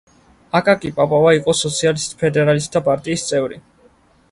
აკაკი პაპავა იყო სოციალისტ–ფედერალისტთა პარტიის წევრი.